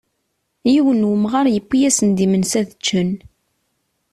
Yiwen n umγar yewwi-asen-d imensi ad ččen.